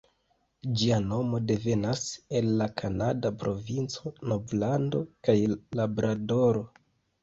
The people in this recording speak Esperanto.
Ĝia nomo devenas el la kanada provinco Novlando kaj Labradoro.